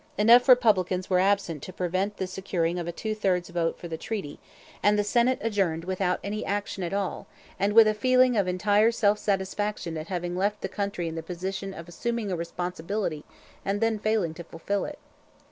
Enough Republicans were absent to prevent the securing of a two thirds vote for the treaty, and the Senate adjourned without any action at all, and with a feeling of entire self satisfaction at having left the country in the position of assuming a responsibility and then failing to fulfil it.